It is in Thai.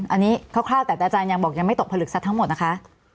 อันนี้คร่าวแต่อาจารย์ยังบอกยังไม่ตกผลึกซัดทั้งหมดนะคะ